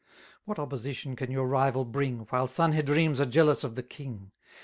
What opposition can your rival bring, 250 While Sanhedrims are jealous of the king?